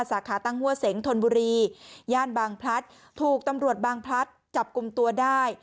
สาขาตั้งหัวเสงธนบุรีย่านบางพลัดถูกตำรวจบางพลัดจับกลุ่มตัวได้